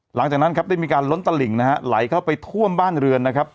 หลังจากนั้นได้มีการล้นตลิ่งไหลเข้าไปท่วมบ้านเรือน